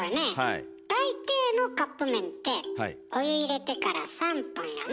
大抵のカップ麺ってお湯入れてから３分よね？